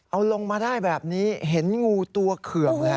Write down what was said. เอาลงมาได้แบบนี้เห็นงูตัวเคืองเลย